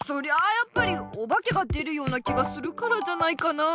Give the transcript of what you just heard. やっぱりおばけが出るような気がするからじゃないかな。